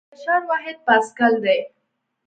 د فشار واحد پاسکل دی.